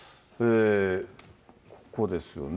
ここですよね。